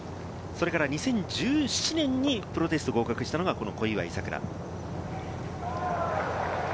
２０１７年にプロテストに合格したのが小祝さくら。